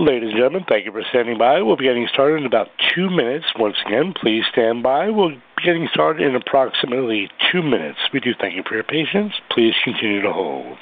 Ladies and gentlemen, thank you for standing by. We'll be getting started in about two minutes. Once again, please stand by. We'll be getting started in approximately two minutes. We do thank you for your patience. Please continue to hold.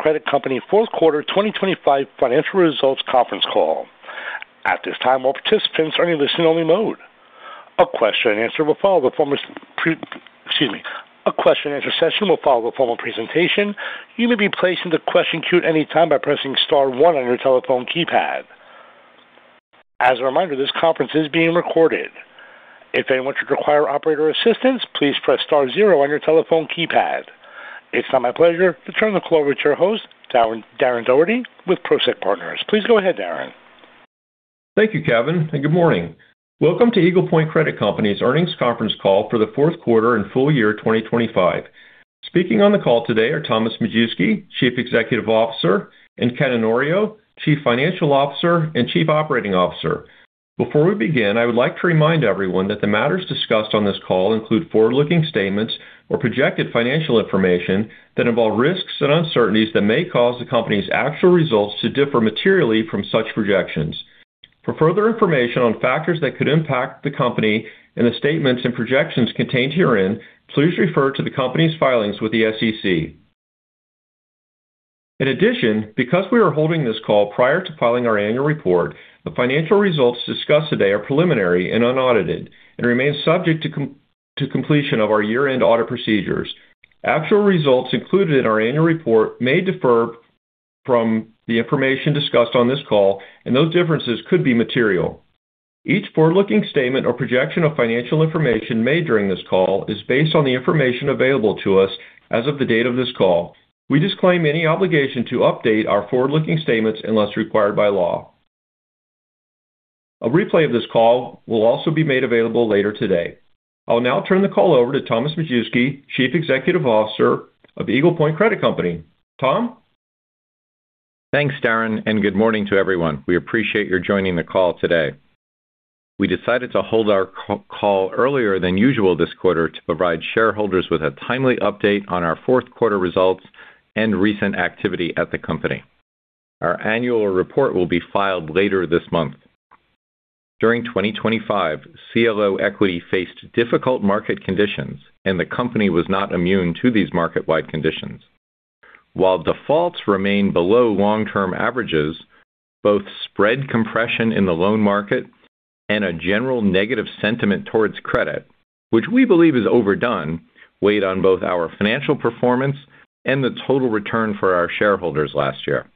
Greetings, and welcome to the Eagle Point Credit Company fourth quarter 2025 financial results conference call. At this time, all participants are in listen-only mode. A question-and-answer session will follow the formal presentation. You may be placed in the question queue at any time by pressing star one on your telephone keypad. As a reminder, this conference is being recorded. If anyone should require operator assistance, please press star zero on your telephone keypad. It's now my pleasure to turn the call over to your host, Darren Dougherty, with Prosek Partners. Please go ahead, Darren. Thank you, Kevin, and good morning. Welcome to Eagle Point Credit Company's earnings conference call for the fourth quarter and full year 2025. Speaking on the call today are Thomas Majewski, Chief Executive Officer, and Ken Onorio, Chief Financial Officer and Chief Operating Officer. Before we begin, I would like to remind everyone that the matters discussed on this call include forward-looking statements or projected financial information that involve risks and uncertainties that may cause the company's actual results to differ materially from such projections. For further information on factors that could impact the company and the statements and projections contained herein, please refer to the company's filings with the SEC. In addition, because we are holding this call prior to filing our annual report, the financial results discussed today are preliminary and unaudited and remain subject to to completion of our year-end audit procedures. Actual results included in our annual report may differ from the information discussed on this call, and those differences could be material. Each forward-looking statement or projection of financial information made during this call is based on the information available to us as of the date of this call. We disclaim any obligation to update our forward-looking statements unless required by law. A replay of this call will also be made available later today. I'll now turn the call over to Thomas Majewski, Chief Executive Officer of Eagle Point Credit Company. Tom? Thanks, Darren, and good morning to everyone. We appreciate your joining the call today. We decided to hold our call earlier than usual this quarter to provide shareholders with a timely update on our fourth quarter results and recent activity at the company. Our annual report will be filed later this month. During 2025, CLO equity faced difficult market conditions, and the company was not immune to these market-wide conditions. While defaults remain below long-term averages, both spread compression in the loan market and a general negative sentiment towards credit, which we believe is overdone, weighed on both our financial performance and the total return for our shareholders last year.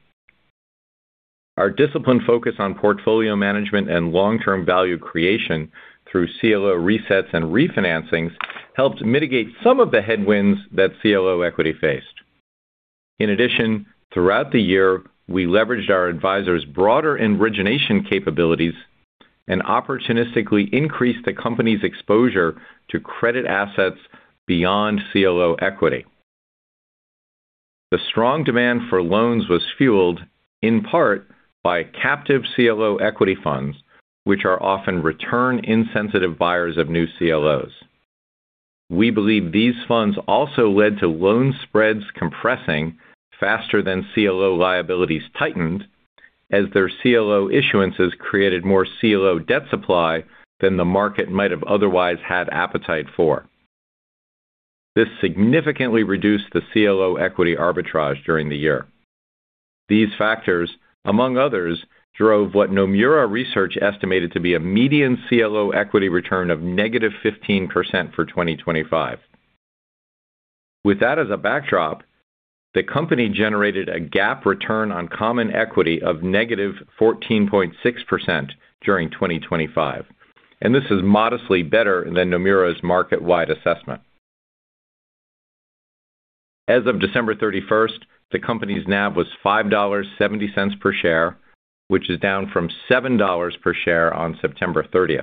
Our disciplined focus on portfolio management and long-term value creation through CLO resets and refinancings helped mitigate some of the headwinds that CLO equity faced. In addition, throughout the year, we leveraged our advisor's broader origination capabilities and opportunistically increased the company's exposure to credit assets beyond CLO equity. The strong demand for loans was fueled in part by captive CLO equity funds, which are often return-insensitive buyers of new CLOs. We believe these funds also led to loan spreads compressing faster than CLO liabilities tightened, as their CLO issuances created more CLO debt supply than the market might have otherwise had appetite for. This significantly reduced the CLO equity arbitrage during the year. These factors, among others, drove what Nomura Research estimated to be a median CLO equity return of negative 15% for 2025. With that as a backdrop, the company generated a GAAP return on common equity of negative 14.6% during 2025, and this is modestly better than Nomura's market-wide assessment. As of December 31, the company's NAV was $5.70 per share, which is down from $7 per share on September 30.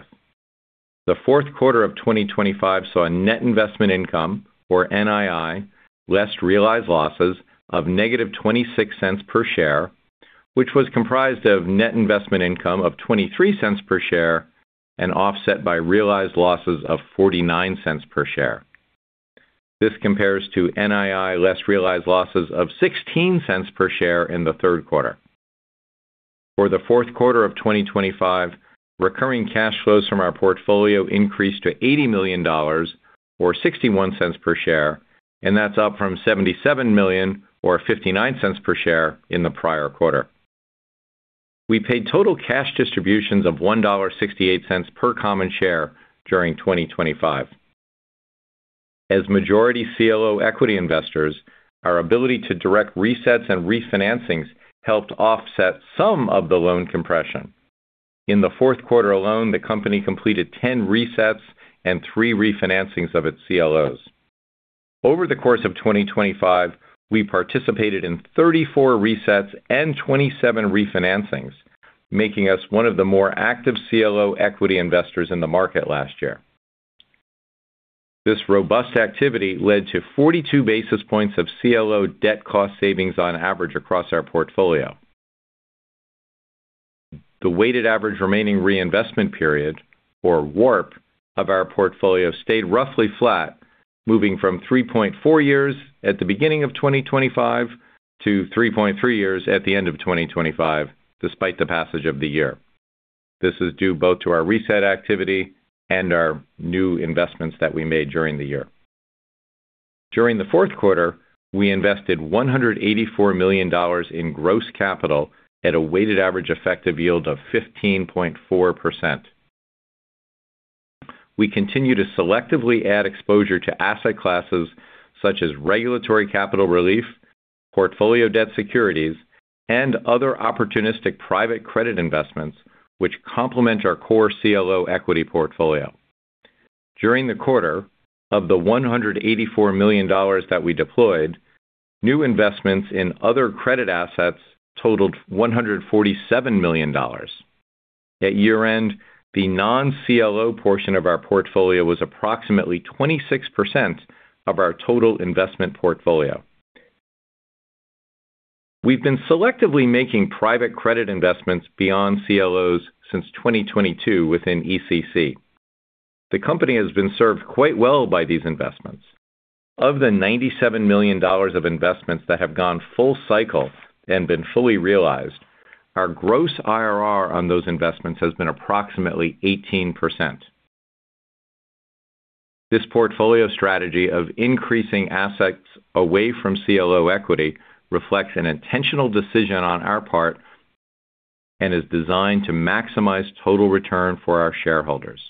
The fourth quarter of 2025 saw a net investment income, or NII, less realized losses of -$0.26 per share, which was comprised of net investment income of $0.23 per share and offset by realized losses of $0.49 per share. This compares to NII less realized losses of $0.16 per share in the third quarter. For the fourth quarter of 2025, recurring cash flows from our portfolio increased to $80 million, or $0.61 per share, and that's up from $77 million or $0.59 per share in the prior quarter. We paid total cash distributions of $1.68 per common share during 2025. As majority CLO equity investors, our ability to direct resets and refinancings helped offset some of the loan compression. In the fourth quarter alone, the company completed 10 resets and 3 refinancings of its CLOs. Over the course of 2025, we participated in 34 resets and 27 refinancings, making us one of the more active CLO equity investors in the market last year. This robust activity led to 42 basis points of CLO debt cost savings on average across our portfolio. The weighted average remaining reinvestment period, or WARP, of our portfolio stayed roughly flat, moving from 3.4 years at the beginning of 2025 to 3.3 years at the end of 2025, despite the passage of the year. This is due both to our reset activity and our new investments that we made during the year. During the fourth quarter, we invested $184 million in gross capital at a weighted average effective yield of 15.4%. We continue to selectively add exposure to asset classes such as regulatory capital relief, portfolio debt securities, and other opportunistic private credit investments, which complement our core CLO equity portfolio. During the quarter, of the $184 million that we deployed, new investments in other credit assets totaled $147 million. At year-end, the non-CLO portion of our portfolio was approximately 26% of our total investment portfolio. We've been selectively making private credit investments beyond CLOs since 2022 within ECC. The company has been served quite well by these investments. Of the $97 million of investments that have gone full cycle and been fully realized, our gross IRR on those investments has been approximately 18%. This portfolio strategy of increasing assets away from CLO equity reflects an intentional decision on our part and is designed to maximize total return for our shareholders.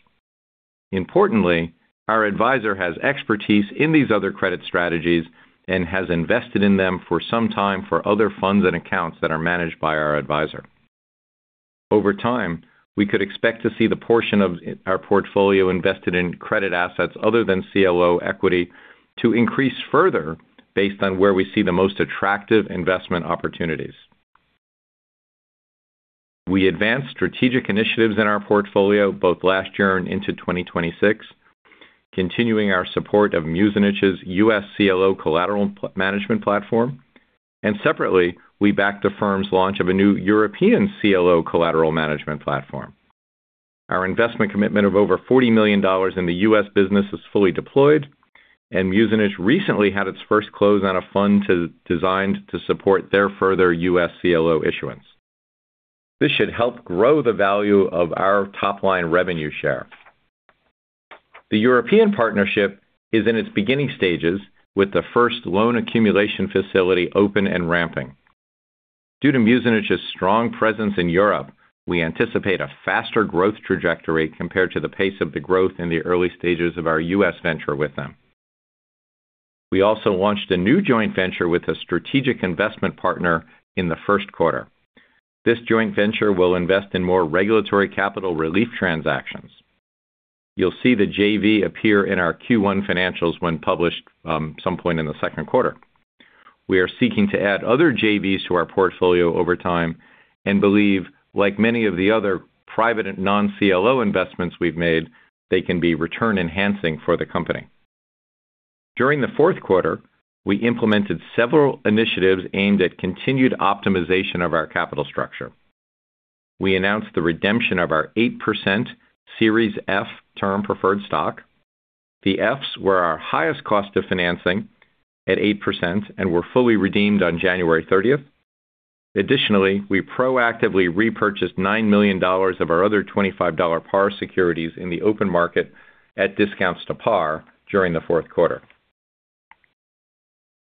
Importantly, our advisor has expertise in these other credit strategies and has invested in them for some time for other funds and accounts that are managed by our advisor. Over time, we could expect to see the portion of our portfolio invested in credit assets other than CLO equity to increase further based on where we see the most attractive investment opportunities. We advanced strategic initiatives in our portfolio both last year and into 2026, continuing our support of Muzinich's U.S. CLO collateral management platform, and separately, we backed the firm's launch of a new European CLO collateral management platform. Our investment commitment of over $40 million in the U.S. business is fully deployed, and Muzinich recently had its first close on a fund designed to support their further U.S. CLO issuance. This should help grow the value of our top-line revenue share. The European partnership is in its beginning stages, with the first loan accumulation facility open and ramping. Due to Muzinich's strong presence in Europe, we anticipate a faster growth trajectory compared to the pace of the growth in the early stages of our U.S. venture with them. We also launched a new joint venture with a strategic investment partner in the first quarter. This joint venture will invest in more regulatory capital relief transactions. You'll see the JV appear in our Q1 financials when published, some point in the second quarter. We are seeking to add other JVs to our portfolio over time and believe, like many of the other private non-CLO investments we've made, they can be return-enhancing for the company. During the fourth quarter, we implemented several initiatives aimed at continued optimization of our capital structure. We announced the redemption of our 8% Series F Term Preferred Stock. The Fs were our highest cost of financing at 8% and were fully redeemed on January 30. Additionally, we proactively repurchased $9 million of our other $25 par securities in the open market at discounts to par during the fourth quarter.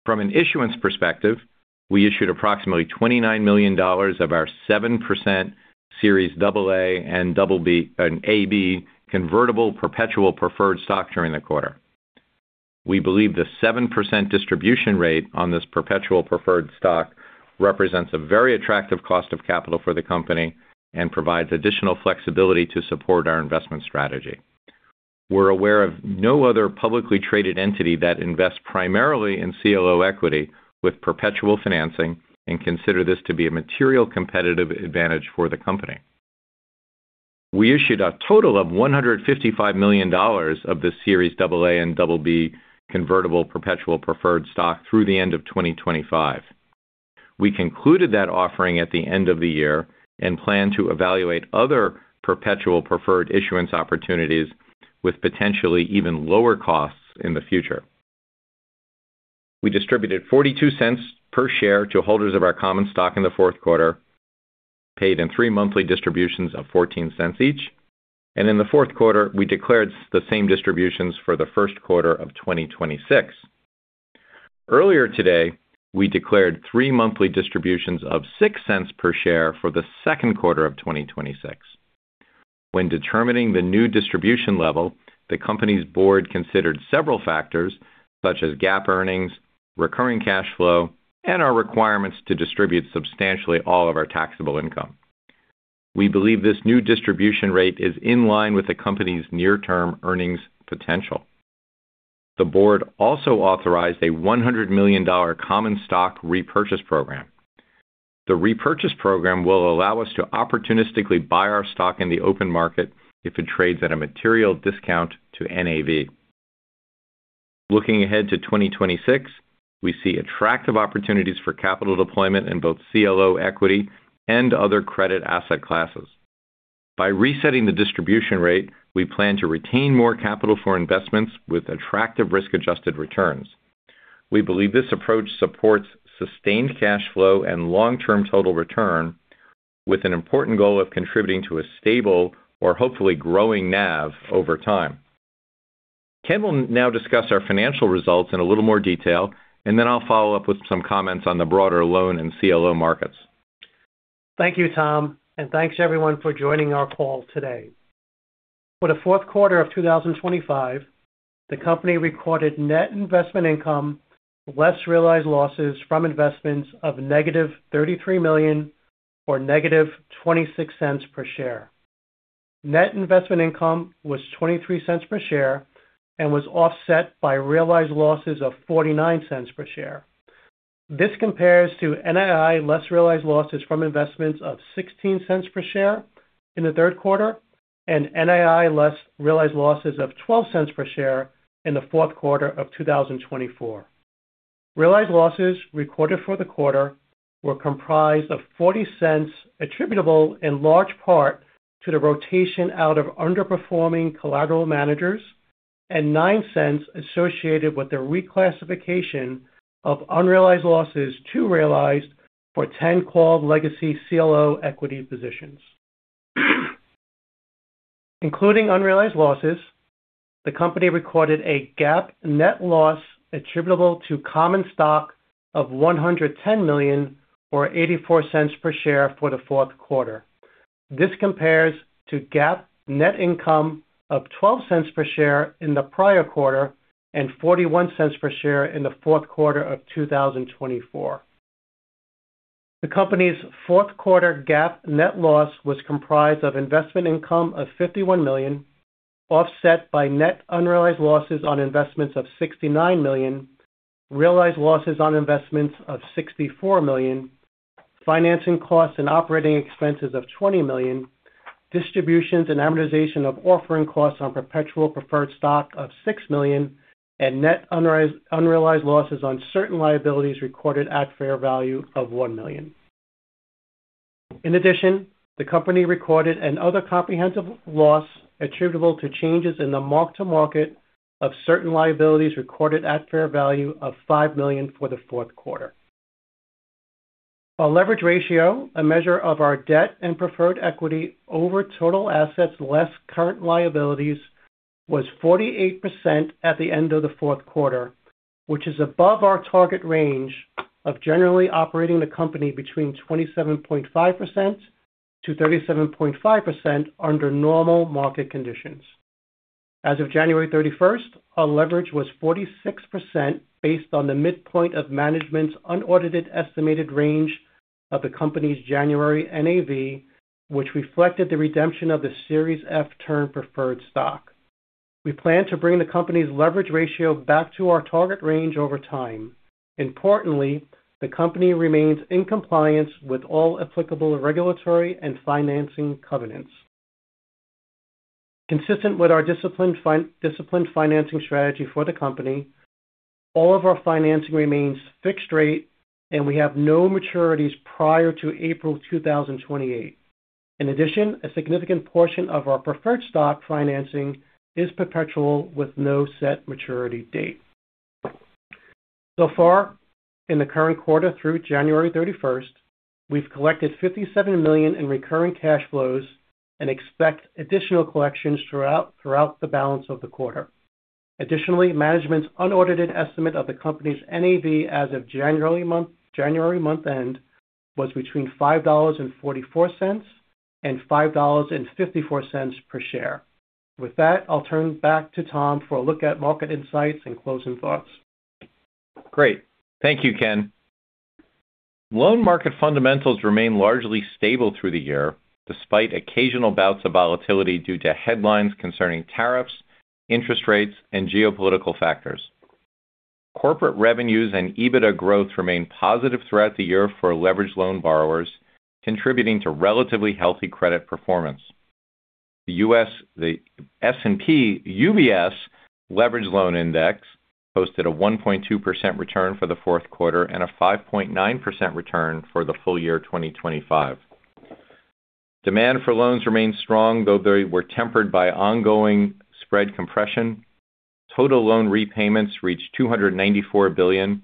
From an issuance perspective, we issued approximately $29 million of our 7% Series AA and BB convertible perpetual preferred stock during the quarter. We believe the 7% distribution rate on this perpetual preferred stock represents a very attractive cost of capital for the company and provides additional flexibility to support our investment strategy. We're aware of no other publicly traded entity that invests primarily in CLO equity with perpetual financing and consider this to be a material competitive advantage for the company. We issued a total of $155 million of the Series AA and BB convertible perpetual preferred stock through the end of 2025. We concluded that offering at the end of the year and plan to evaluate other perpetual preferred issuance opportunities with potentially even lower costs in the future. We distributed $0.42 per share to holders of our common stock in the fourth quarter, paid in 3 monthly distributions of $0.14 each, and in the fourth quarter, we declared the same distributions for the first quarter of 2026. Earlier today, we declared 3 monthly distributions of $0.06 per share for the second quarter of 2026. When determining the new distribution level, the company's board considered several factors such as GAAP earnings, recurring cash flow, and our requirements to distribute substantially all of our taxable income. We believe this new distribution rate is in line with the company's near-term earnings potential. The board also authorized a $100 million common stock repurchase program. The repurchase program will allow us to opportunistically buy our stock in the open market if it trades at a material discount to NAV. Looking ahead to 2026, we see attractive opportunities for capital deployment in both CLO equity and other credit asset classes. By resetting the distribution rate, we plan to retain more capital for investments with attractive risk-adjusted returns. We believe this approach supports sustained cash flow and long-term total return, with an important goal of contributing to a stable or hopefully growing NAV over time. Ken will now discuss our financial results in a little more detail, and then I'll follow up with some comments on the broader loan and CLO markets. Thank you, Tom, and thanks everyone for joining our call today. For the fourth quarter of 2025, the company recorded net investment income, less realized losses from investments of -$33 million or -$0.26 per share. Net investment income was $0.23 per share and was offset by realized losses of $0.49 per share. This compares to NII, less realized losses from investments of $0.16 per share in the third quarter and NII less realized losses of $0.12 per share in the fourth quarter of 2024. Realized losses recorded for the quarter were comprised of $0.40 attributable in large part to the rotation out of underperforming collateral managers and $0.09 associated with the reclassification of unrealized losses to realized for 10 called legacy CLO equity positions. Including unrealized losses, the company recorded a GAAP net loss attributable to common stock of $110 million, or $0.84 per share for the fourth quarter. This compares to GAAP net income of $0.12 per share in the prior quarter and $0.41 per share in the fourth quarter of 2024. The company's fourth quarter GAAP net loss was comprised of investment income of $51 million, offset by net unrealized losses on investments of $69 million, realized losses on investments of $64 million, financing costs and operating expenses of $20 million, distributions and amortization of offering costs on perpetual preferred stock of $6 million, and net unrealized losses on certain liabilities recorded at fair value of $1 million. In addition, the company recorded an other comprehensive loss attributable to changes in the mark-to-market of certain liabilities recorded at fair value of $5 million for the fourth quarter. Our leverage ratio, a measure of our debt and preferred equity over total assets less current liabilities, was 48% at the end of the fourth quarter, which is above our target range of generally operating the company between 27.5%-37.5% under normal market conditions. As of January 31, our leverage was 46%, based on the midpoint of management's unaudited estimated range of the company's January NAV, which reflected the redemption of the Series F Term Preferred Stock. We plan to bring the company's leverage ratio back to our target range over time. Importantly, the company remains in compliance with all applicable regulatory and financing covenants. Consistent with our disciplined financing strategy for the company, all of our financing remains fixed rate, and we have no maturities prior to April 2028. In addition, a significant portion of our preferred stock financing is perpetual, with no set maturity date. So far, in the current quarter through January 31, we've collected $57 million in recurring cash flows and expect additional collections throughout the balance of the quarter. Additionally, management's unaudited estimate of the company's NAV as of January month-end was between $5.44 and $5.54 per share. With that, I'll turn back to Tom for a look at market insights and closing thoughts. Great. Thank you, Ken. Loan market fundamentals remain largely stable through the year, despite occasional bouts of volatility due to headlines concerning tariffs, interest rates, and geopolitical factors. Corporate revenues and EBITDA growth remained positive throughout the year for leveraged loan borrowers, contributing to relatively healthy credit performance. The S&P UBS Leveraged Loan Index posted a 1.2% return for the fourth quarter and a 5.9% return for the full year, 2025. Demand for loans remained strong, though they were tempered by ongoing spread compression. Total loan repayments reached $294 billion,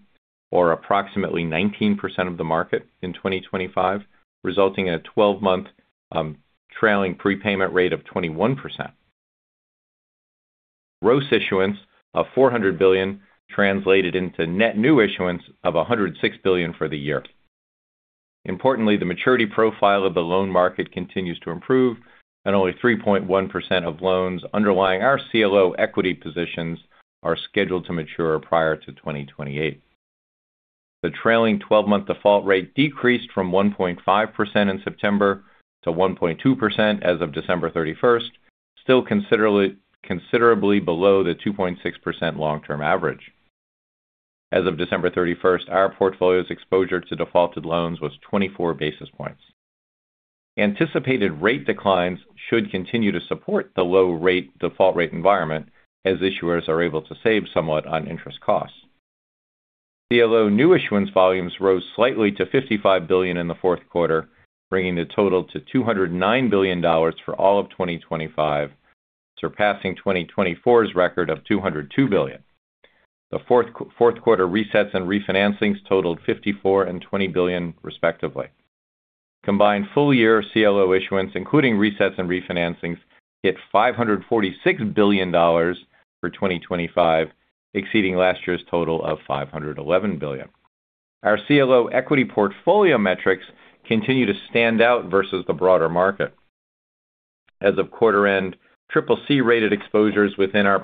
or approximately 19% of the market in 2025, resulting in a twelve-month trailing prepayment rate of 21%. Gross issuance of $400 billion translated into net new issuance of $106 billion for the year. Importantly, the maturity profile of the loan market continues to improve, and only 3.1% of loans underlying our CLO equity positions are scheduled to mature prior to 2028. The trailing twelve-month default rate decreased from 1.5% in September to 1.2% as of December 31, still considerably below the 2.6% long-term average. As of December 31, our portfolio's exposure to defaulted loans was 24 basis points. Anticipated rate declines should continue to support the low default rate environment as issuers are able to save somewhat on interest costs. The CLO new issuance volumes rose slightly to $55 billion in the fourth quarter, bringing the total to $209 billion for all of 2025, surpassing 2024's record of $202 billion. The fourth quarter resets and re-financings totaled 54 and 20 billion, respectively. Combined full-year CLO issuance, including resets and re-financings, hit $546 billion for 2025, exceeding last year's total of $511 billion. Our CLO equity portfolio metrics continue to stand out versus the broader market. As of quarter end, CCC-rated exposures within our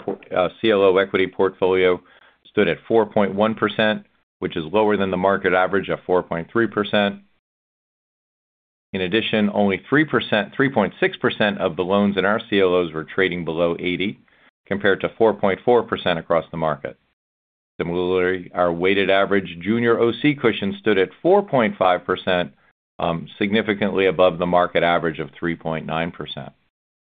CLO equity portfolio stood at 4.1%, which is lower than the market average of 4.3%. In addition, only 3.6% of the loans in our CLOs were trading below 80, compared to 4.4% across the market. Similarly, our weighted average junior OC cushion stood at 4.5%, significantly above the market average of 3.9%.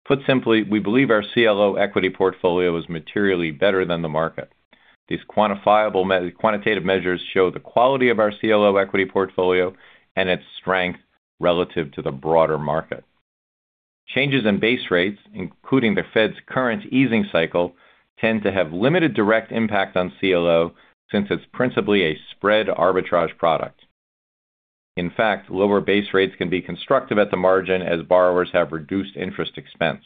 Put simply, we believe our CLO equity portfolio is materially better than the market. These quantifiable quantitative measures show the quality of our CLO equity portfolio and its strength relative to the broader market. Changes in base rates, including the Fed's current easing cycle, tend to have limited direct impact on CLO since it's principally a spread arbitrage product. In fact, lower base rates can be constructive at the margin as borrowers have reduced interest expense.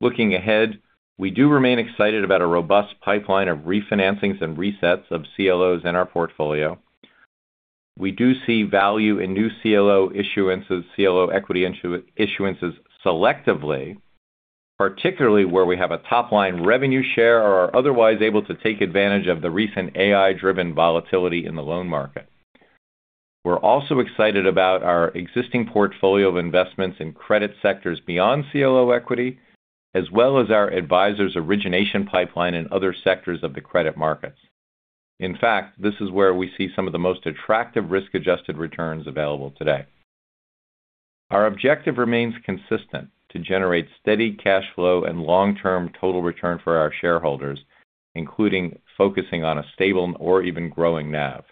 Looking ahead, we do remain excited about a robust pipeline of refinancings and resets of CLOs in our portfolio. We do see value in new CLO issuances, CLO equity issuances selectively, particularly where we have a top-line revenue share or are otherwise able to take advantage of the recent AI-driven volatility in the loan market. We're also excited about our existing portfolio of investments in credit sectors beyond CLO equity, as well as our advisor's origination pipeline in other sectors of the credit markets. In fact, this is where we see some of the most attractive risk-adjusted returns available today. Our objective remains consistent: to generate steady cash flow and long-term total return for our shareholders, including focusing on a stable or even growing NAV.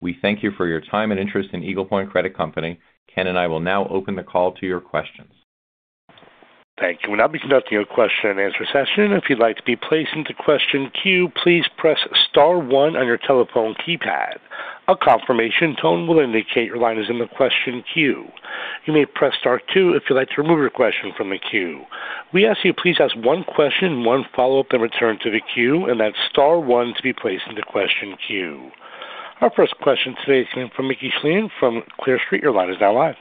We thank you for your time and interest in Eagle Point Credit Company. Ken and I will now open the call to your questions. Thank you. We'll now be conducting a question-and-answer session. If you'd like to be placed into question queue, please press star one on your telephone keypad. A confirmation tone will indicate your line is in the question queue. You may press star two if you'd like to remove your question from the queue. We ask you, please ask one question, one follow-up, and return to the queue, and then star one to be placed in the question queue. Our first question today is from Mickey Schleien from Clear Street. Your line is now live.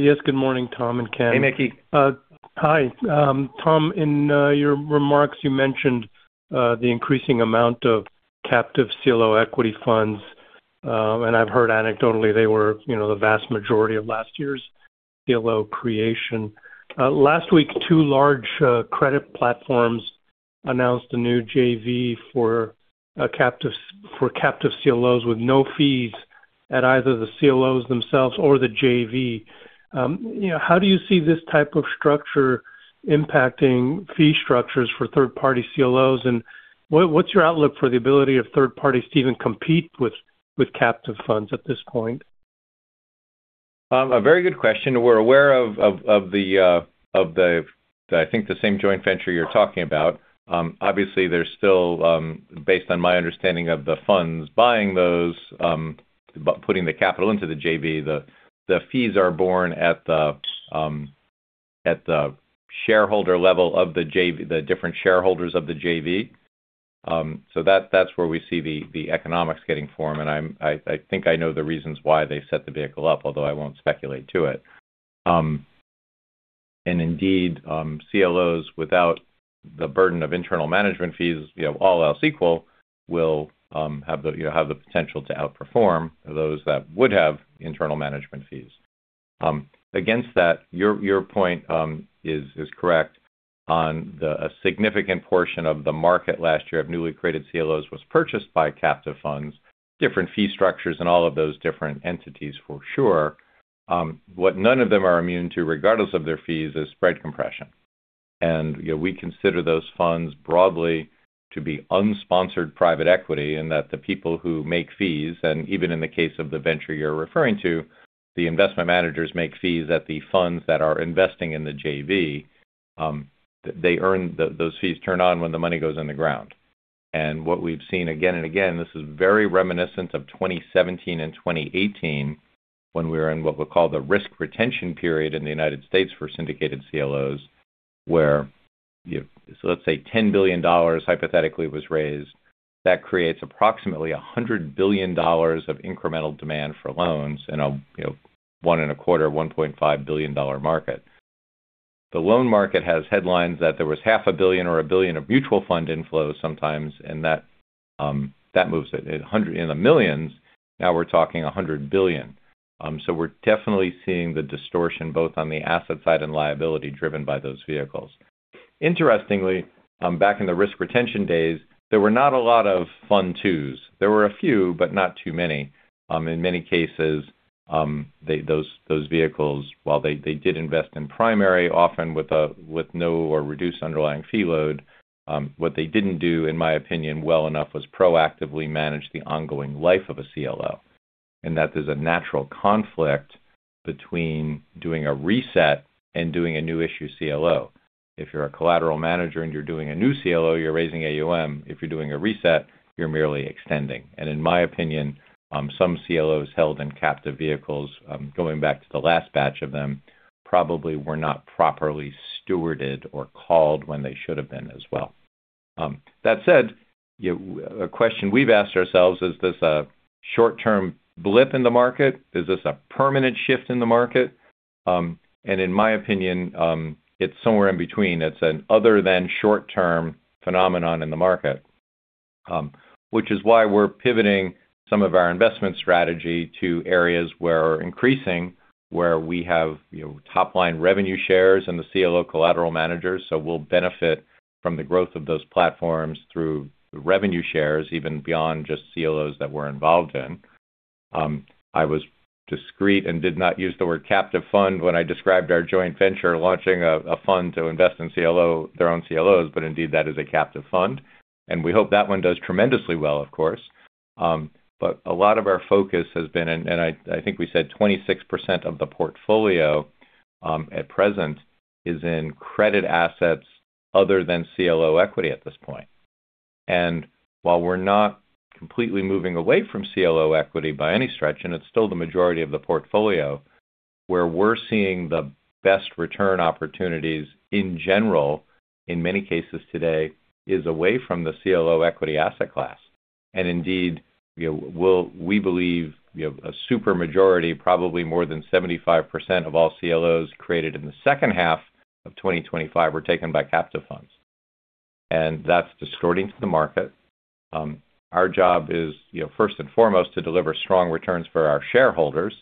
Yes, good morning, Tom and Ken. Hey, Mickey. Hi. Tom, in your remarks, you mentioned the increasing amount of captive CLO equity funds, and I've heard anecdotally they were, you know, the vast majority of last year's CLO creation. Last week, two large credit platforms announced a new JV for captive CLOs with no fees at either the CLOs themselves or the JV. You know, how do you see this type of structure impacting fee structures for third-party CLOs, and what's your outlook for the ability of third parties to even compete with captive funds at this point? A very good question. We're aware of the, I think the same joint venture you're talking about. Obviously, there's still, based on my understanding of the funds buying those, putting the capital into the JV, the fees are borne at the shareholder level of the JV, the different shareholders of the JV. So that's where we see the economics getting formed, and I think I know the reasons why they set the vehicle up, although I won't speculate to it. And indeed, CLOs without the burden of internal management fees, you know, all else equal, will have the potential to outperform those that would have internal management fees. Against that, your point is correct. A significant portion of the market last year of newly created CLOs was purchased by captive funds, different fee structures, and all of those different entities for sure. What none of them are immune to, regardless of their fees, is spread compression. And, you know, we consider those funds broadly to be unsponsored private equity, and that the people who make fees, and even in the case of the venture you're referring to, the investment managers make fees at the funds that are investing in the JV. They earn-- Those fees turn on when the money goes in the ground. What we've seen again and again, this is very reminiscent of 2017 and 2018, when we were in what we'll call the risk retention period in the United States for syndicated CLOs, where, you know, so let's say $10 billion hypothetically was raised. That creates approximately $100 billion of incremental demand for loans in a, you know, one in a quarter, $1.5 billion market. The loan market has headlines that there was $0.5 billion or $1 billion of mutual fund inflows sometimes, and that moves it in the millions. Now we're talking $100 billion. So we're definitely seeing the distortion, both on the asset side and liability, driven by those vehicles. Interestingly, back in the risk retention days, there were not a lot of fund twos. There were a few, but not too many. In many cases, those vehicles, while they did invest in primary, often with no or reduced underlying fee load, what they didn't do, in my opinion, well enough, was proactively manage the ongoing life of a CLO. And that there's a natural conflict between doing a reset and doing a new issue CLO. If you're a collateral manager and you're doing a new CLO, you're raising AUM. If you're doing a reset, you're merely extending. And in my opinion, some CLOs held in captive vehicles, going back to the last batch of them, probably were not properly stewarded or called when they should have been as well. That said, you know, a question we've asked ourselves: Is this a short-term blip in the market? Is this a permanent shift in the market? And in my opinion, it's somewhere in between. It's an other than short-term phenomenon in the market. Which is why we're pivoting some of our investment strategy to areas where are increasing, where we have, you know, top-line revenue shares in the CLO collateral managers. So we'll benefit from the growth of those platforms through revenue shares, even beyond just CLOs that we're involved in. I was discreet and did not use the word captive fund when I described our joint venture, launching a fund to invest in CLO, their own CLOs, but indeed, that is a captive fund, and we hope that one does tremendously well, of course. But a lot of our focus has been... I think we said 26% of the portfolio, at present, is in credit assets other than CLO equity at this point. And while we're not completely moving away from CLO equity by any stretch, and it's still the majority of the portfolio, where we're seeing the best return opportunities in general, in many cases today, is away from the CLO equity asset class. And indeed, you know, we believe, you know, a super majority, probably more than 75% of all CLOs created in the second half of 2025, were taken by captive funds, and that's distorting to the market. Our job is, you know, first and foremost, to deliver strong returns for our shareholders,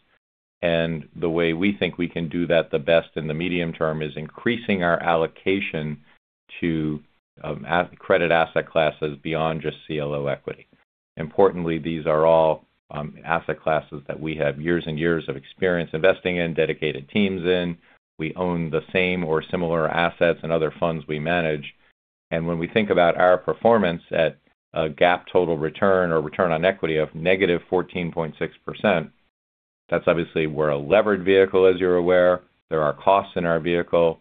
and the way we think we can do that the best in the medium term is increasing our allocation to other credit asset classes beyond just CLO equity. Importantly, these are all asset classes that we have years and years of experience investing in, dedicated teams in. We own the same or similar assets in other funds we manage. And when we think about our performance at a GAAP total return or return on equity of -14.6%, that's obviously we're a levered vehicle, as you're aware. There are costs in our vehicle.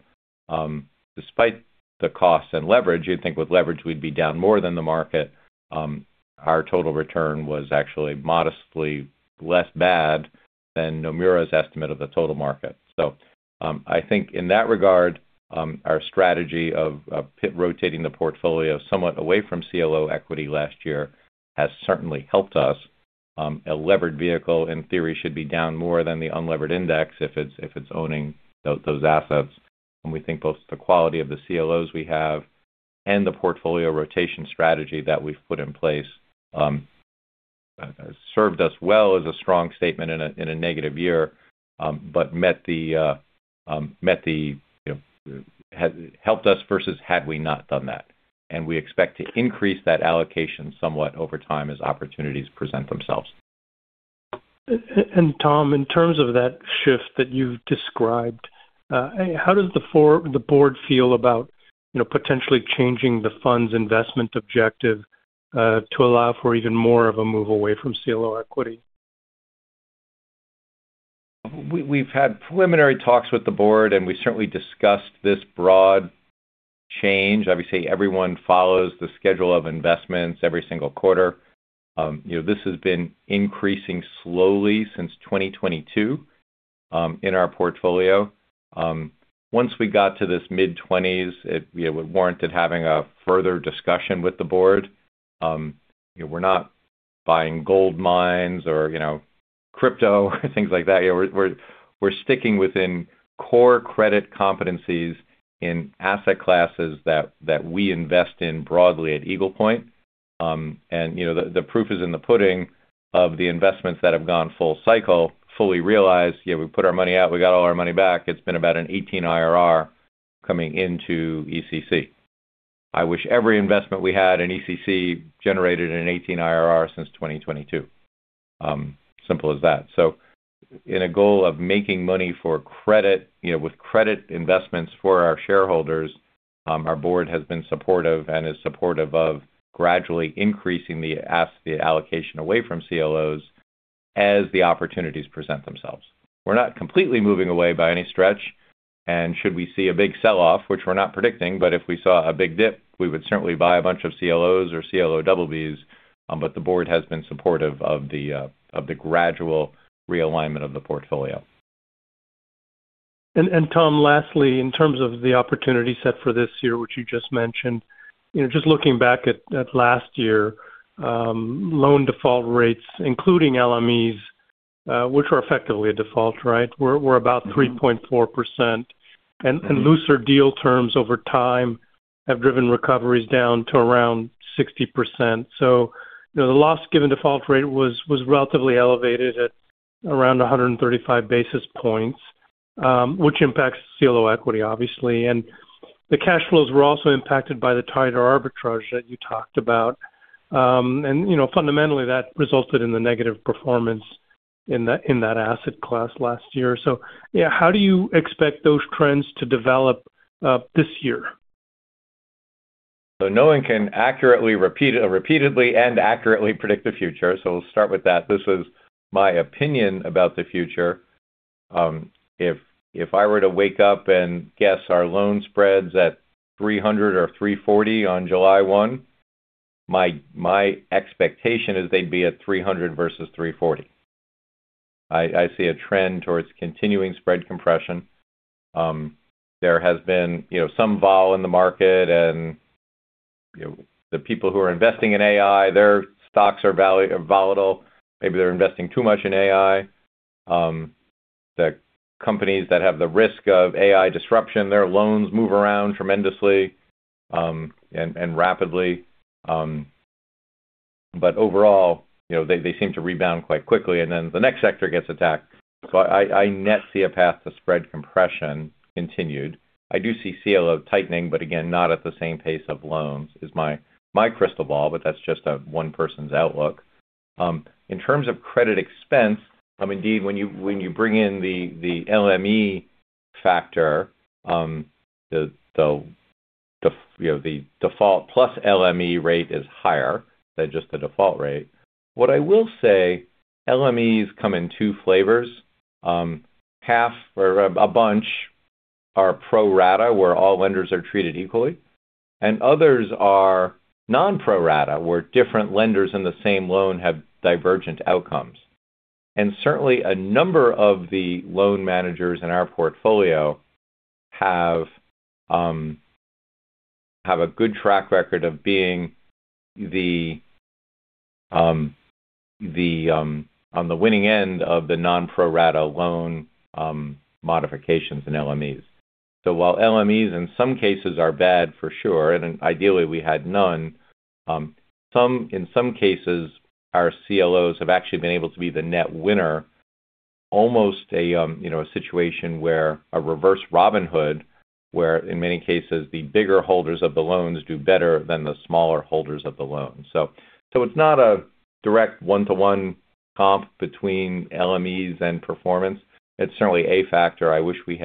Despite the costs and leverage, you'd think with leverage we'd be down more than the market. Our total return was actually modestly less bad than Nomura's estimate of the total market. I think in that regard, our strategy of pivoting the portfolio somewhat away from CLO equity last year has certainly helped us. A levered vehicle, in theory, should be down more than the unlevered index if it's owning those assets. We think both the quality of the CLOs we have and the portfolio rotation strategy that we've put in place served us well as a strong statement in a negative year, but, you know, helped us versus had we not done that. We expect to increase that allocation somewhat over time as opportunities present themselves. And Tom, in terms of that shift that you've described, how does the board feel about, you know, potentially changing the fund's investment objective, to allow for even more of a move away from CLO equity? We've had preliminary talks with the board, and we certainly discussed this broad change. Obviously, everyone follows the schedule of investments every single quarter. You know, this has been increasing slowly since 2022 in our portfolio. Once we got to this mid-20s, it, you know, warranted having a further discussion with the board. You know, we're not buying gold mines or, you know, crypto, things like that. Yeah, we're sticking within core credit competencies in asset classes that we invest in broadly at Eagle Point. And, you know, the proof is in the pudding of the investments that have gone full cycle, fully realized. Yeah, we put our money out, we got all our money back. It's been about an 18 IRR coming into ECC. I wish every investment we had in ECC generated an 18 IRR since 2022. Simple as that. So in a goal of making money for ECC, you know, with credit investments for our shareholders, our board has been supportive and is supportive of gradually increasing the allocation away from CLOs as the opportunities present themselves. We're not completely moving away by any stretch, and should we see a big sell-off, which we're not predicting, but if we saw a big dip, we would certainly buy a bunch of CLOs or CLO BBs. But the board has been supportive of the gradual realignment of the portfolio. Tom, lastly, in terms of the opportunity set for this year, which you just mentioned, you know, just looking back at last year, loan default rates, including LMEs, which are effectively a default, right? Were about 3.4%. And looser deal terms over time have driven recoveries down to around 60%. So, you know, the loss given default rate was relatively elevated at around 135 basis points, which impacts CLO equity, obviously. And the cash flows were also impacted by the tighter arbitrage that you talked about. And, you know, fundamentally, that resulted in the negative performance in that asset class last year. So yeah, how do you expect those trends to develop this year? So no one can accurately repeatedly and accurately predict the future. So we'll start with that. This is my opinion about the future. If I were to wake up and guess our loan spreads at 300 or 340 on July one, my expectation is they'd be at 300 versus 340. I see a trend towards continuing spread compression. There has been, you know, some vol in the market, and, you know, the people who are investing in AI, their stocks are volatile. Maybe they're investing too much in AI. The companies that have the risk of AI disruption, their loans move around tremendously, and rapidly. But overall, you know, they seem to rebound quite quickly, and then the next sector gets attacked. So I net see a path to spread compression continued. I do see CLO tightening, but again, not at the same pace of loans, is my crystal ball, but that's just one person's outlook. In terms of credit expense, indeed, when you bring in the LME factor, you know, the default plus LME rate is higher than just the default rate. What I will say, LMEs come in two flavors. Half or a bunch are pro rata, where all lenders are treated equally, and others are non pro rata, where different lenders in the same loan have divergent outcomes. And certainly, a number of the loan managers in our portfolio have a good track record of being the on the winning end of the non pro rata loan modifications and LMEs. So while LMEs in some cases are bad for sure, and ideally, we had none, some in some cases, our CLOs have actually been able to be the net winner, almost a, you know, a situation where a reverse Robin Hood, where in many cases, the bigger holders of the loans do better than the smaller holders of the loans. So, so it's not a direct one-to-one comp between LMEs and performance. It's certainly a factor. I wish we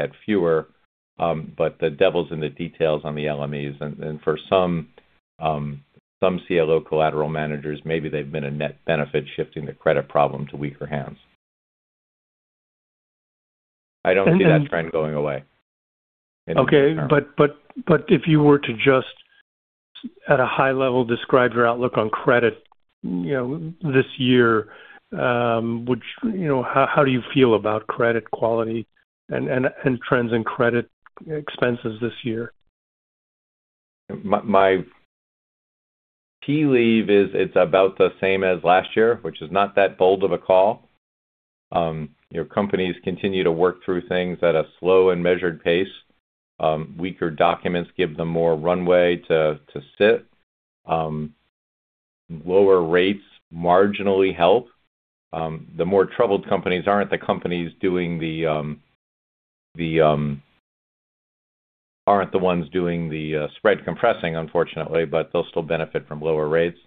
had fewer, but the devil's in the details on the LMEs. And, and for some, some CLO collateral managers, maybe they've been a net benefit, shifting the credit problem to weaker hands. I don't see that trend going away. Okay, but if you were to just at a high level, describe your outlook on credit, you know, this year, would you... You know, how do you feel about credit quality and trends in credit expenses this year? My tea leaf is it's about the same as last year, which is not that bold of a call. You know, companies continue to work through things at a slow and measured pace. Weaker documents give them more runway to sit. Lower rates marginally help. The more troubled companies aren't the ones doing the spread compressing, unfortunately, but they'll still benefit from lower rates.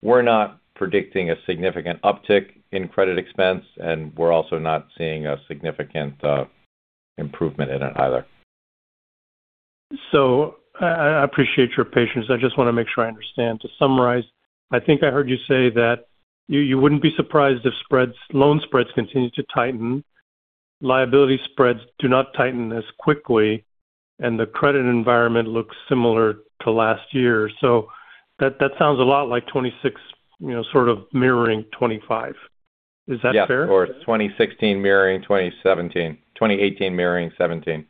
We're not predicting a significant uptick in credit expense, and we're also not seeing a significant improvement in it either. So I appreciate your patience. I just want to make sure I understand. To summarize, I think I heard you say that you wouldn't be surprised if spreads, loan spreads continued to tighten, liability spreads do not tighten as quickly, and the credit environment looks similar to last year. So that sounds a lot like 2026, you know, sort of mirroring 2025. Is that fair? Yeah, of course. 2016 mirroring 2017. 2018 mirroring 2017....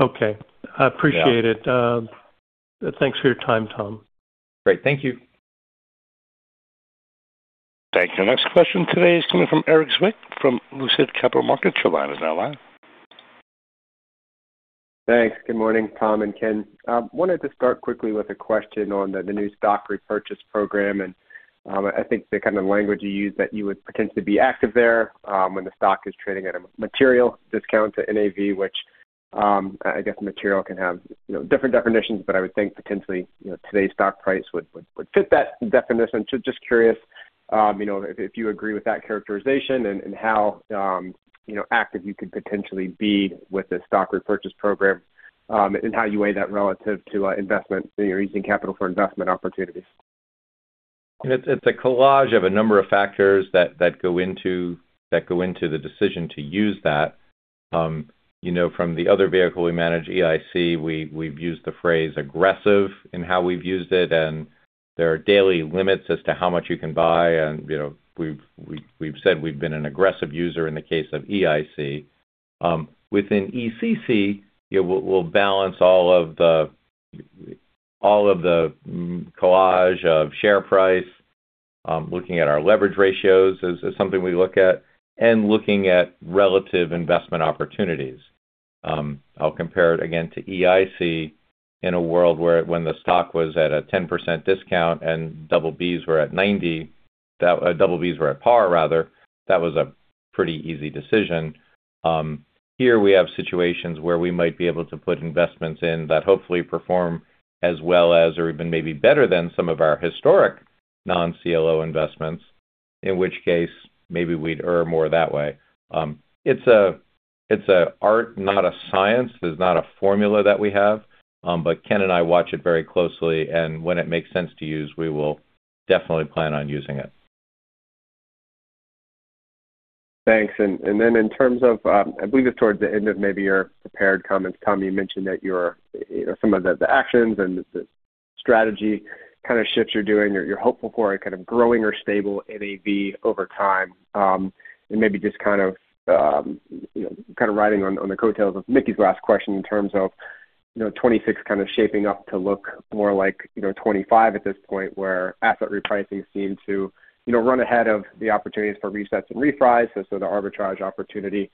Okay, I appreciate it. Thanks for your time, Tom. Great. Thank you. Thank you. Next question today is coming from Eric Zwick from Lucid Capital Markets. Your line is now live. Thanks. Good morning, Tom and Ken. Wanted to start quickly with a question on the new stock repurchase program, and I think the kind of language you use that you would potentially be active there when the stock is trading at a material discount to NAV, which I guess material can have, you know, different definitions, but I would think potentially, you know, today's stock price would fit that definition. So just curious, you know, if you agree with that characterization and how active you could potentially be with the stock repurchase program, and how you weigh that relative to investment or using capital for investment opportunities. It's a collage of a number of factors that go into the decision to use that. You know, from the other vehicle we manage, EIC, we've used the phrase aggressive in how we've used it, and there are daily limits as to how much you can buy. You know, we've said we've been an aggressive user in the case of EIC. Within ECC, you know, we'll balance all of the collage of share price. Looking at our leverage ratios is something we look at, and looking at relative investment opportunities. I'll compare it again to EIC in a world where when the stock was at a 10% discount and double Bs were at ninety, double Bs were at par rather, that was a pretty easy decision. Here we have situations where we might be able to put investments in that hopefully perform as well as or even maybe better than some of our historic non-CLO investments, in which case maybe we'd err more that way. It's an art, not a science. There's not a formula that we have, but Ken and I watch it very closely, and when it makes sense to use, we will definitely plan on using it. Thanks. And then in terms of, I believe it's towards the end of maybe your prepared comments, Tom, you mentioned that you're, you know, some of the actions and the strategy kind of shifts you're doing, or you're hopeful for a kind of growing or stable NAV over time. And maybe just kind of, you know, kind of riding on the coattails of Mickey's last question in terms of, you know, 26 kind of shaping up to look more like, you know, 25 at this point, where asset repricing seemed to, you know, run ahead of the opportunities for resets and refis. So the arbitrage opportunity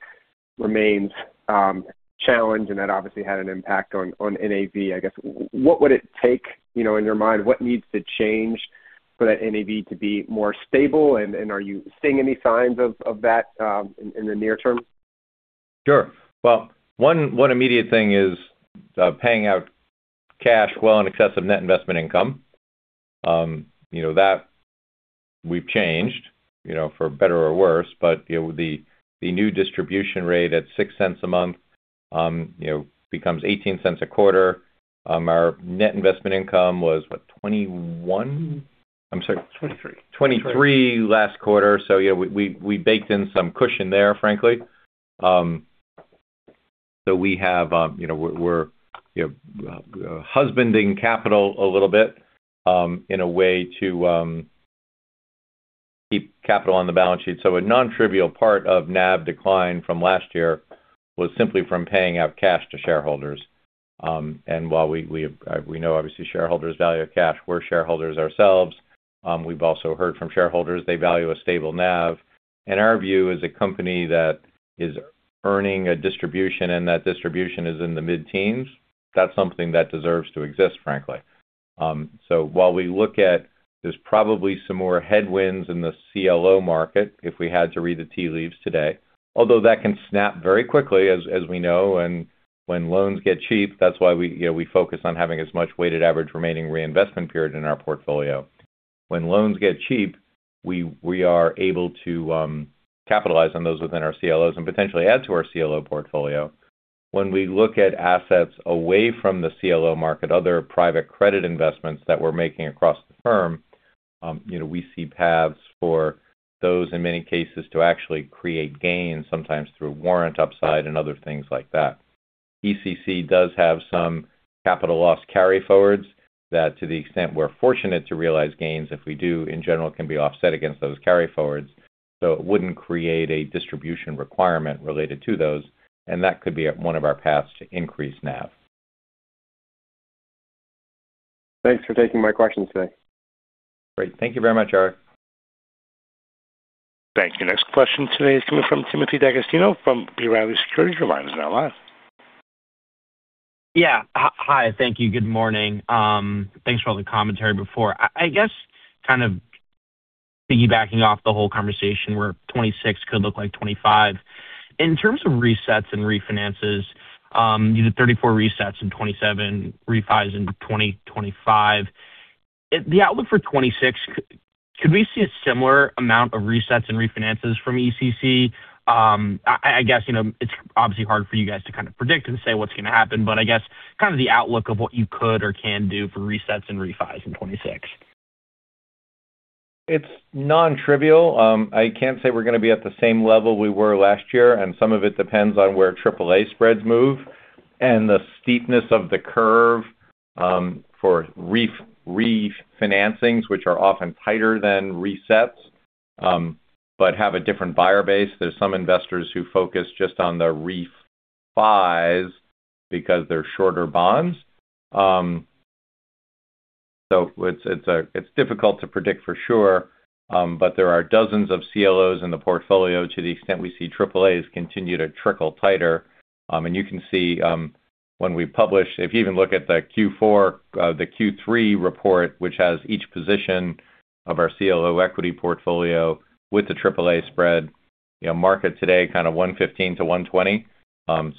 remains challenged, and that obviously had an impact on NAV. I guess, what would it take, you know, in your mind, what needs to change for that NAV to be more stable? And are you seeing any signs of that in the near term? Sure. Well, one immediate thing is paying out cash well in excess of net investment income. You know, that we've changed, you know, for better or worse, but, you know, the new distribution rate at $0.06 a month, you know, becomes $0.18 a quarter. Our net investment income was, what? $0.21. I'm sorry, 23. 23 last quarter. So yeah, we baked in some cushion there, frankly. So we have, you know, we're husbanding capital a little bit, in a way to keep capital on the balance sheet. So a nontrivial part of NAV decline from last year was simply from paying out cash to shareholders. And while we know obviously shareholders value of cash, we're shareholders ourselves. We've also heard from shareholders, they value a stable NAV. In our view, as a company that is earning a distribution, and that distribution is in the mid-teens, that's something that deserves to exist, frankly. So while we look at there's probably some more headwinds in the CLO market, if we had to read the tea leaves today, although that can snap very quickly as we know, and when loans get cheap. That's why we, you know, we focus on having as much weighted average remaining reinvestment period in our portfolio. When loans get cheap, we are able to capitalize on those within our CLOs and potentially add to our CLO portfolio. When we look at assets away from the CLO market, other private credit investments that we're making across the firm, you know, we see paths for those, in many cases, to actually create gains, sometimes through warrant upside and other things like that. ECC does have some capital loss carryforwards that to the extent we're fortunate to realize gains, if we do, in general, can be offset against those carryforwards, so it wouldn't create a distribution requirement related to those, and that could be one of our paths to increase NAV. Thanks for taking my question today. Great. Thank you very much, Eric. Thank you. Next question today is coming from Timothy D'Agostino from B. Riley Securities. Your line is now live. Yeah. Hi. Thank you. Good morning. Thanks for all the commentary before. I guess kind of piggybacking off the whole conversation where 26 could look like 25. In terms of resets and refinances, you did 34 resets in 27 refis in 2025. The outlook for 26, could we see a similar amount of resets and refinances from ECC? I guess, you know, it's obviously hard for you guys to kind of predict and say what's going to happen, but I guess kind of the outlook of what you could or can do for resets and refis in 26. It's nontrivial. I can't say we're going to be at the same level we were last year, and some of it depends on where triple-A spreads move and the steepness of the curve, for re-financings, which are often tighter than resets, but have a different buyer base. There's some investors who focus just on the refi because they're shorter bonds. So it's difficult to predict for sure, but there are dozens of CLOs in the portfolio to the extent we see AAAs continue to trickle tighter. And you can see, when we publish, if you even look at the Q4, the Q3 report, which has each position of our CLO equity portfolio with the AAA spread, you know, market today, kind of 115-120.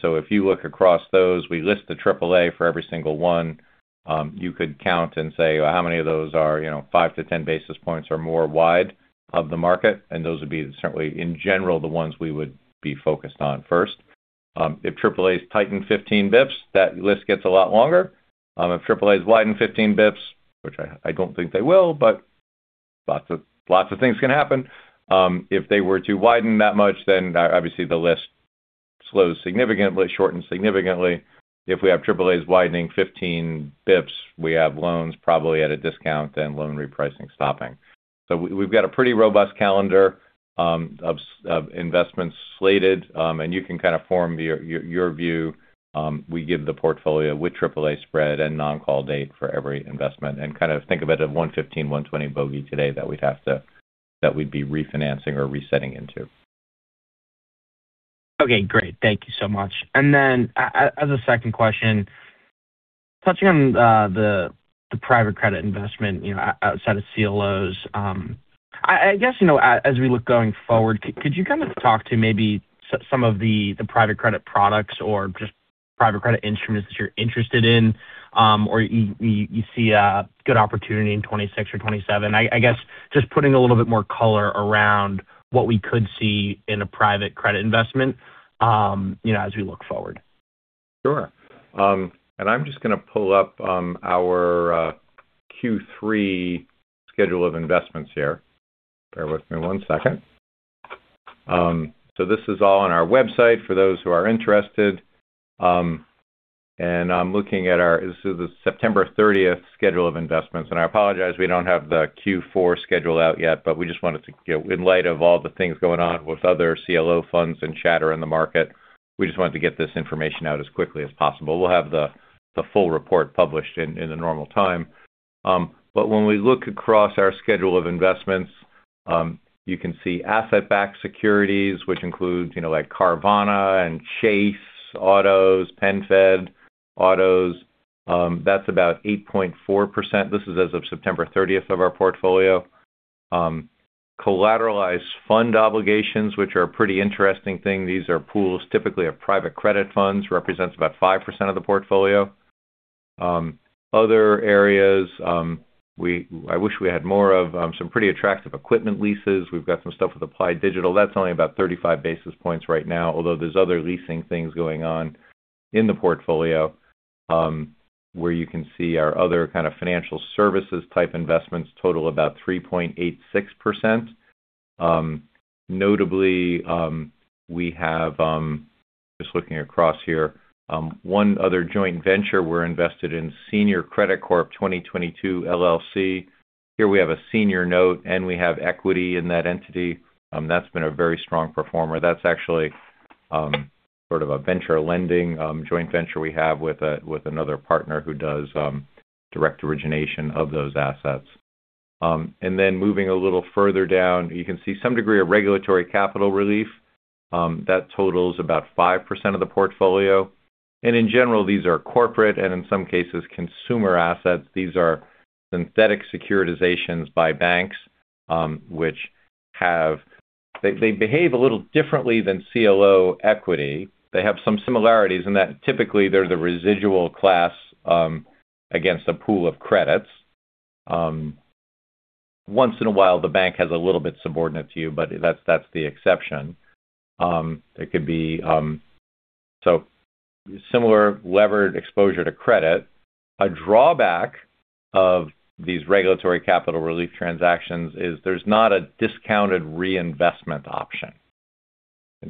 So if you look across those, we list the AAA for every single one. You could count and say, how many of those are, you know, 5-10 basis points or more wide of the market? And those would be certainly, in general, the ones we would be focused on first. If AAAs tighten 15 basis points, that list gets a lot longer. If AAAs widen 15 basis points, which I, I don't think they will, but lots of, lots of things can happen. If they were to widen that much, then obviously, the list slows significantly, shortened significantly. If we have AAAs widening 15 basis points, we have loans probably at a discount, then loan repricing stopping. So we've got a pretty robust calendar of investments slated. And you can kind of form your, your view. We give the portfolio with AAA spread and non-call date for every investment, and kind of think of it as 115, 120 bogey today that we'd be refinancing or resetting into. Okay, great. Thank you so much. And then as a second question, touching on the private credit investment, you know, outside of CLOs. I guess, you know, as we look going forward, could you kind of talk to maybe some of the private credit products or just private credit instruments that you're interested in, or you see a good opportunity in 2026 or 2027? I guess just putting a little bit more color around what we could see in a private credit investment, you know, as we look forward. Sure. And I'm just going to pull up our Q3 schedule of investments here. Bear with me one second. So this is all on our website for those who are interested. And I'm looking at our... This is the September thirtieth schedule of investments, and I apologize we don't have the Q4 schedule out yet, but we just wanted to, you know, in light of all the things going on with other CLO funds and chatter in the market, we just wanted to get this information out as quickly as possible. We'll have the full report published in the normal time. But when we look across our schedule of investments, you can see asset-backed securities, which includes, you know, like Carvana and Chase Autos, PenFed Autos. That's about 8.4%. This is as of September 30th of our portfolio. Collateralized fund obligations, which are a pretty interesting thing. These are pools, typically of private credit funds, represents about 5% of the portfolio. Other areas, I wish we had more of, some pretty attractive equipment leases. We've got some stuff with Applied Digital. That's only about 35 basis points right now, although there's other leasing things going on in the portfolio, where you can see our other kind of financial services type investments total about 3.86%. Notably, we have, just looking across here, one other joint venture. We're invested in Senior Credit Corp. 2022 LLC. Here we have a senior note, and we have equity in that entity. That's been a very strong performer. That's actually sort of a venture lending joint venture we have with a, with another partner who does direct origination of those assets. And then moving a little further down, you can see some degree of regulatory capital relief that totals about 5% of the portfolio. And in general, these are corporate and in some cases, consumer assets. These are synthetic securitizations by banks, which have... They, they behave a little differently than CLO equity. They have some similarities in that typically, they're the residual class against a pool of credits. Once in a while, the bank has a little bit subordinate to you, but that's, that's the exception. It could be so similar levered exposure to credit. A drawback of these regulatory capital relief transactions is there's not a discounted reinvestment option.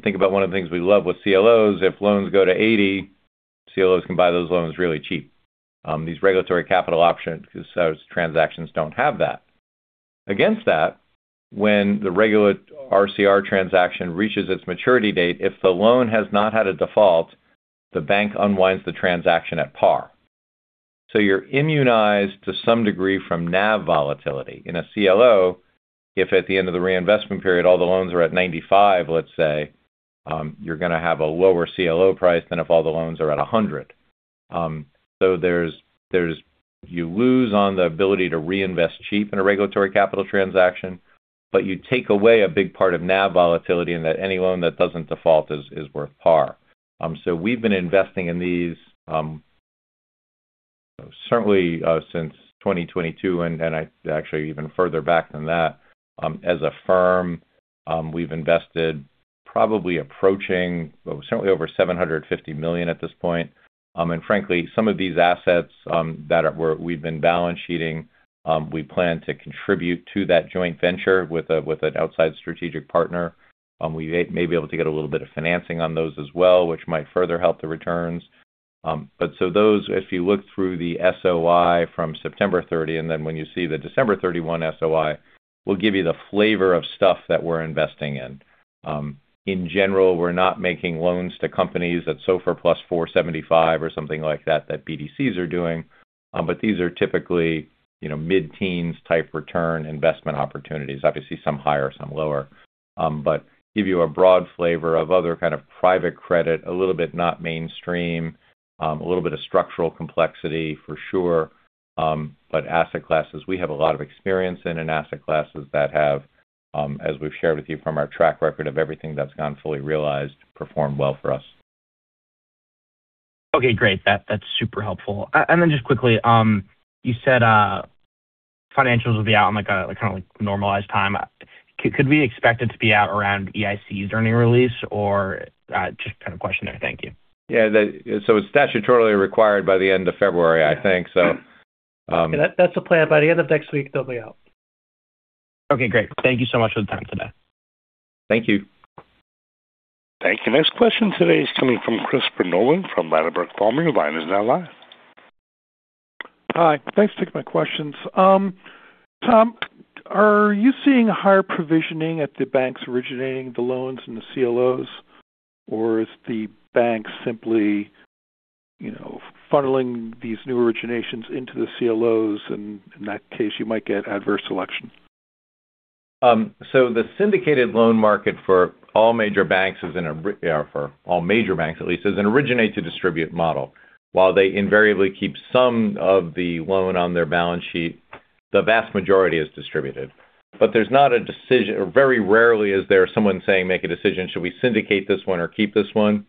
Think about one of the things we love with CLOs. If loans go to 80, CLOs can buy those loans really cheap. These regulatory capital options, those transactions don't have that. Against that, when the regular RCR transaction reaches its maturity date, if the loan has not had a default, the bank unwinds the transaction at par, so you're immunized to some degree from NAV volatility. In a CLO, if at the end of the reinvestment period, all the loans are at 95, let's say, you're going to have a lower CLO price than if all the loans are at 100. So there's you lose on the ability to reinvest cheap in a regulatory capital transaction, but you take away a big part of NAV volatility, and that any loan that doesn't default is worth par. So we've been investing in these certainly since 2022, and then I actually even further back than that. As a firm, we've invested probably approaching certainly over $750 million at this point. And frankly, some of these assets that we've been balance sheeting we plan to contribute to that joint venture with an outside strategic partner. We may be able to get a little bit of financing on those as well, which might further help the returns. But those, if you look through the SOI from September 30, and then when you see the December 31 SOI, will give you the flavor of stuff that we're investing in. In general, we're not making loans to companies that SOFR plus 475 or something like that, that BDCs are doing. But these are typically, you know, mid-teens type return investment opportunities. Obviously, some higher, some lower. But give you a broad flavor of other kind of private credit, a little bit not mainstream, a little bit of structural complexity for sure. But asset classes, we have a lot of experience in and asset classes that have, as we've shared with you from our track record of everything that's gone fully realized, performed well for us. Okay, great. That's super helpful. And then just quickly, you said financials will be out in, like, a kind of like normalized time. Could we expect it to be out around EIC's earnings release, or just kind of question there? Thank you. Yeah, so it's statutorily required by the end of February, I think so. Yeah, that's the plan. By the end of next week, they'll be out. Okay, great. Thank you so much for the time today. Thank you. Thank you. Next question today is coming from Christopher Nolan from Ladenburg Thalmann. Your line is now live. Hi, thanks for taking my questions. Tom, are you seeing higher provisioning at the banks originating the loans and the CLOs, or is the bank simply, you know, funneling these new originations into the CLOs, and in that case, you might get adverse selection? So the syndicated loan market for all major banks is in a, or for all major banks at least, is an originate to distribute model. While they invariably keep some of the loan on their balance sheet, the vast majority is distributed. But there's not a decision or very rarely is there someone saying, "Make a decision. Should we syndicate this one or keep this one?"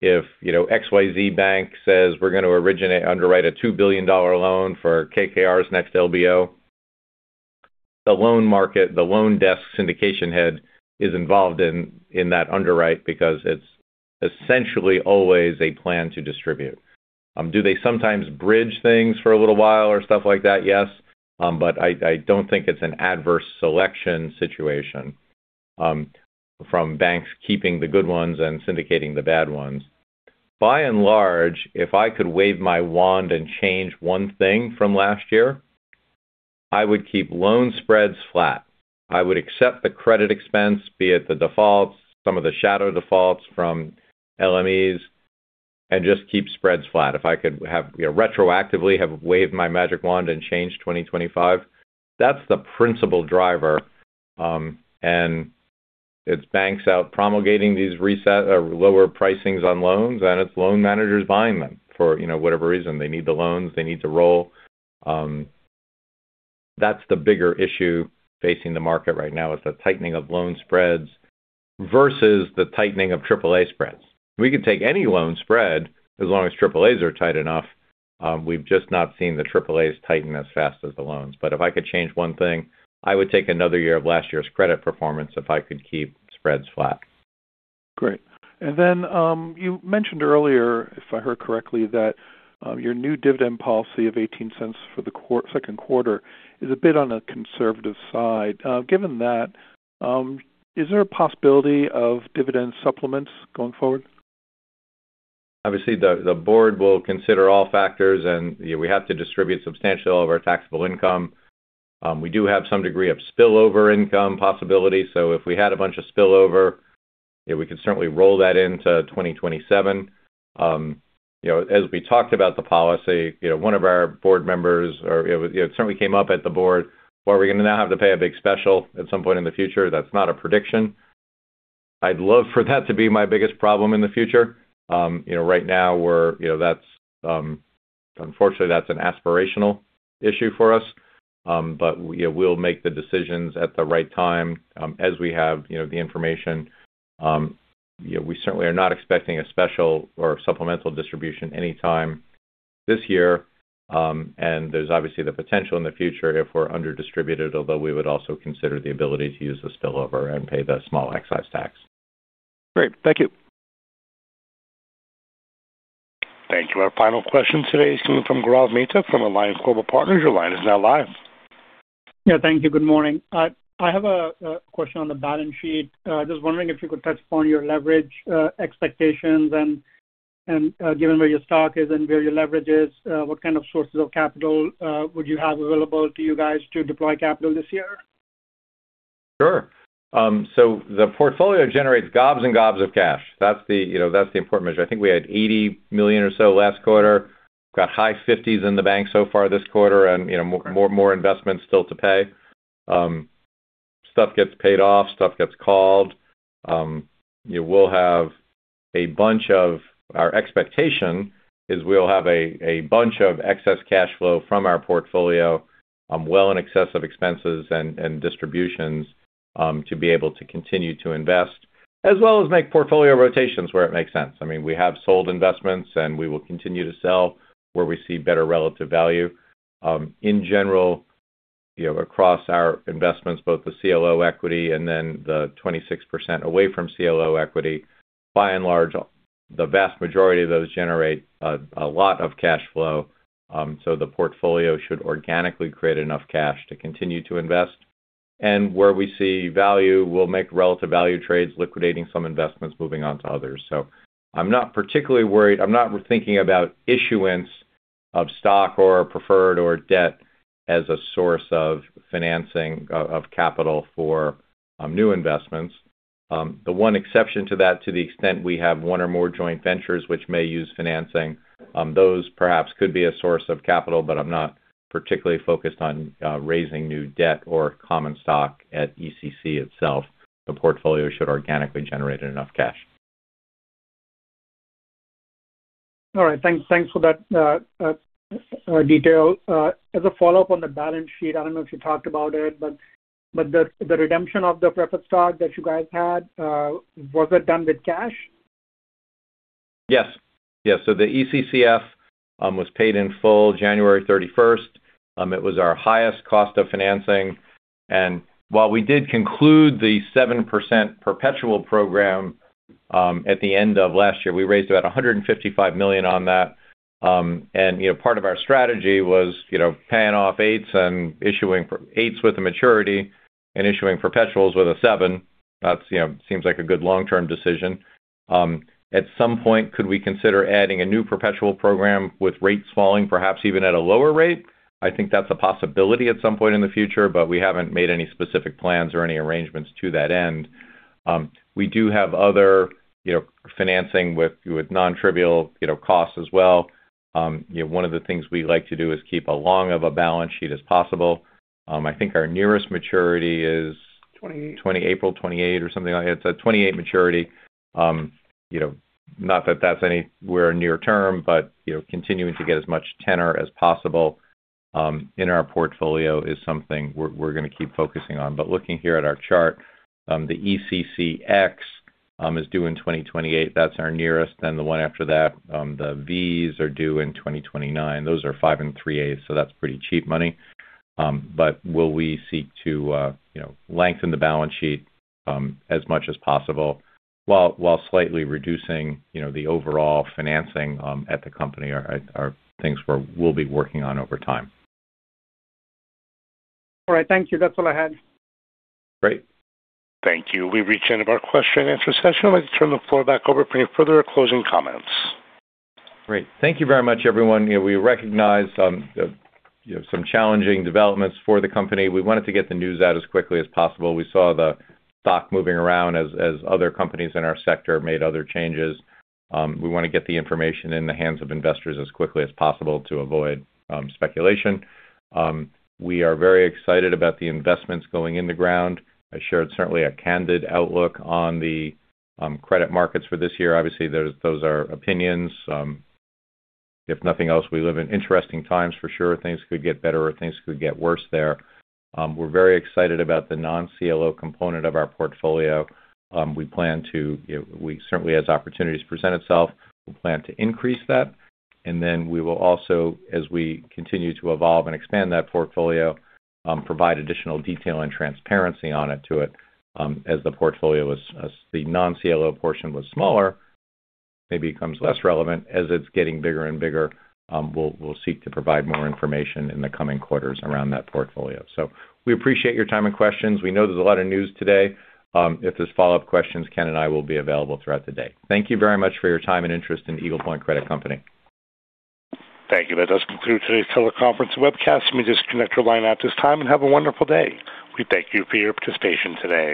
If, you know, XYZ Bank says we're going to originate underwrite a $2 billion loan for KKR's next LBO, the loan market, the loan desk syndication head, is involved in, in that underwrite because it's essentially always a plan to distribute. Do they sometimes bridge things for a little while or stuff like that? Yes, but I, I don't think it's an adverse selection situation, from banks keeping the good ones and syndicating the bad ones. By and large, if I could wave my magic wand and change one thing from last year, I would keep loan spreads flat. I would accept the credit expense, be it the defaults, some of the shadow defaults from LMEs, and just keep spreads flat. If I could have, you know, retroactively have waved my magic wand and change 2025, that's the principal driver. And it's banks out promulgating these reset or lower pricings on loans, and it's loan managers buying them for, you know, whatever reason. They need the loans, they need to roll. That's the bigger issue facing the market right now, is the tightening of loan spreads versus the tightening of AAA spreads. We could take any loan spread as long as AAAs are tight enough. We've just not seen the AAAs tighten as fast as the loans. If I could change one thing, I would take another year of last year's credit performance if I could keep spreads flat. Great. And then, you mentioned earlier, if I heard correctly, that your new dividend policy of $0.18 for the second quarter is a bit on the conservative side. Given that, is there a possibility of dividend supplements going forward? Obviously, the board will consider all factors, and we have to distribute substantial of our taxable income. We do have some degree of spillover income possibility, so if we had a bunch of spillover, yeah, we could certainly roll that into 2027. You know, as we talked about the policy, you know, one of our board members, or it certainly came up at the board, where we're going to now have to pay a big special at some point in the future. That's not a prediction. I'd love for that to be my biggest problem in the future. You know, right now, we're, you know, that's, unfortunately, that's an aspirational issue for us. But, you know, we'll make the decisions at the right time, as we have, you know, the information. You know, we certainly are not expecting a special or supplemental distribution anytime this year. And there's obviously the potential in the future if we're under distributed, although we would also consider the ability to use the spillover and pay the small excise tax. Great. Thank you. Thank you. Our final question today is coming from Gaurav Mehta from Alliance Global Partners. Your line is now live. Yeah, thank you. Good morning. I have a question on the balance sheet. Just wondering if you could touch upon your leverage expectations and, given where your stock is and where your leverage is, what kind of sources of capital would you have available to you guys to deploy capital this year? Sure. So the portfolio generates gobs and gobs of cash. That's the, you know, that's the important measure. I think we had $80 million or so last quarter. Got high $50 million in the bank so far this quarter and, you know, more, more investments still to pay. Stuff gets paid off, stuff gets called. You will have a bunch of... Our expectation is we'll have a, a bunch of excess cash flow from our portfolio, well in excess of expenses and, and distributions, to be able to continue to invest, as well as make portfolio rotations where it makes sense. I mean, we have sold investments, and we will continue to sell where we see better relative value. In general, you know, across our investments, both the CLO equity and then the 26% away from CLO equity, by and large, the vast majority of those generate a lot of cash flow. So the portfolio should organically create enough cash to continue to invest... and where we see value, we'll make relative value trades, liquidating some investments, moving on to others. So I'm not particularly worried. I'm not thinking about issuance of stock or preferred or debt as a source of financing of capital for new investments. The one exception to that, to the extent we have one or more joint ventures which may use financing, those perhaps could be a source of capital, but I'm not particularly focused on raising new debt or common stock at ECC itself. The portfolio should organically generate enough cash. All right, thanks. Thanks for that, detail. As a follow-up on the balance sheet, I don't know if you talked about it, but the redemption of the preferred stock that you guys had, was that done with cash? Yes. Yes. So the ECCF was paid in full January 31st. It was our highest cost of financing, and while we did conclude the 7% perpetual program at the end of last year, we raised about $155 million on that. And, you know, part of our strategy was, you know, paying off eights and issuing for eights with a maturity and issuing perpetuals with a 7. That's, you know, seems like a good long-term decision. At some point, could we consider adding a new perpetual program with rates falling, perhaps even at a lower rate? I think that's a possibility at some point in the future, but we haven't made any specific plans or any arrangements to that end. We do have other, you know, financing with, with nontrivial, you know, costs as well. You know, one of the things we like to do is keep as long of a balance sheet as possible. I think our nearest maturity is- Twenty-eight. April 28 or something like it. It's a 2028 maturity. You know, not that that's anywhere near term, but, you know, continuing to get as much tenor as possible in our portfolio is something we're, we're gonna keep focusing on. But looking here at our chart, the ECCX is due in 2028. That's our nearest. Then the one after that, the Vs are due in 2029. Those are 5.375, so that's pretty cheap money. But will we seek to, you know, lengthen the balance sheet as much as possible, while, while slightly reducing, you know, the overall financing at the company are, are things we're, we'll be working on over time. All right. Thank you. That's all I had. Great. Thank you. We've reached the end of our question and answer session. I'd like to turn the floor back over for any further closing comments. Great. Thank you very much, everyone. You know, we recognize some, you know, some challenging developments for the company. We wanted to get the news out as quickly as possible. We saw the stock moving around as other companies in our sector made other changes. We want to get the information in the hands of investors as quickly as possible to avoid speculation. We are very excited about the investments going in the ground. I shared certainly a candid outlook on the credit markets for this year. Obviously, those are opinions. If nothing else, we live in interesting times for sure. Things could get better, or things could get worse there. We're very excited about the non-CLO component of our portfolio. We plan to, you know, we certainly, as opportunities present itself, we plan to increase that. Then we will also, as we continue to evolve and expand that portfolio, provide additional detail and transparency on it, to it, as the non-CLO portion was smaller, maybe becomes less relevant. As it's getting bigger and bigger, we'll seek to provide more information in the coming quarters around that portfolio. So we appreciate your time and questions. We know there's a lot of news today. If there's follow-up questions, Ken and I will be available throughout the day. Thank you very much for your time and interest in Eagle Point Credit Company. Thank you. That does conclude today's teleconference and webcast. You may disconnect your line at this time, and have a wonderful day. We thank you for your participation today.